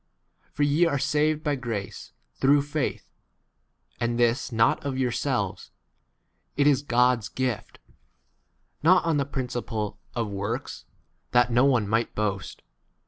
For ye are saved by grace, through faith ; and this not 9 of yourselves ; it is God's gift : not on the principle of works, that 10 no one might boast.